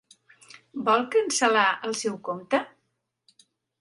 Vol cancel·lar el seu compte?